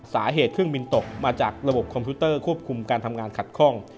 เครื่องบินตกมาจากระบบคอมพิวเตอร์ควบคุมการทำงานขัดข้อง